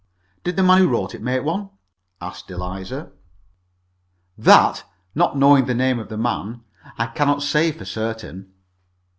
"Did the man who wrote it make one?" asked Eliza. "That not knowing the name of the man I cannot say for certain."